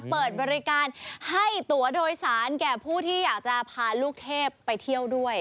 เปิดบริการให้ตัวโดยสารแก่ผู้ที่อยากจะพาลูกเทพไปเที่ยวด้วย